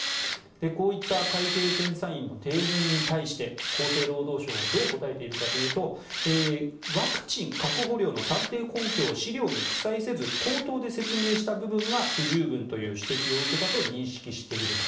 こういった会計検査院の提言に対して厚生労働省はどう答えているかというとワクチン確保量の算定根拠を資料に記載せず口頭で説明した部分が不十分だという指摘を受けたと認識していると。